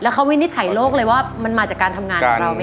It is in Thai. เขาวินิจฉัยโลกเลยว่ามันมาจากการทำงานของเราไหม